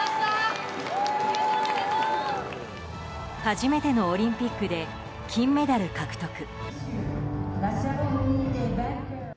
初めてのオリンピックで金メダル獲得。